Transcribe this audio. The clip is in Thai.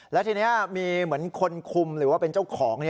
แล้วทีนี้มีเหมือนคนคุมหรือว่าเป็นเจ้าของ